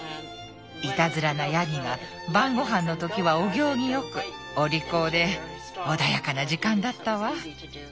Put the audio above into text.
いたずらなヤギが晩ごはんの時はお行儀よくお利口で穏やかな時間だったわ。